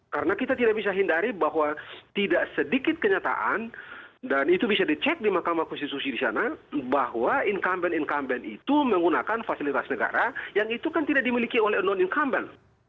karena kita tidak bisa hindari bahwa tidak sedikit kenyataan dan itu bisa dicek di mahkamah konstitusi di sana bahwa income bank itu menggunakan fasilitas negara yang itu kan tidak dimiliki oleh non income bank